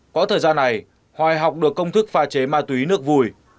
quãng thời gian này hoài học được công thức pha chế ma túy nước vui